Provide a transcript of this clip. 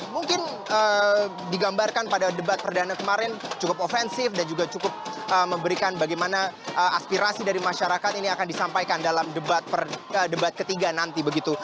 mungkin digambarkan pada debat perdana kemarin cukup offensif dan juga cukup memberikan bagaimana aspirasi dari masyarakat ini akan disampaikan dalam debat ketiga nanti begitu